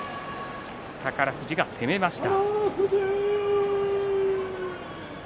宝富士、攻めました。